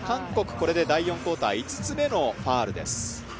これで第４クオーター５つ目のファウルです。